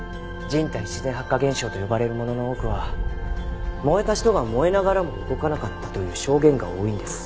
人体自然発火現象と呼ばれるものの多くは燃えた人が燃えながらも動かなかったという証言が多いんです。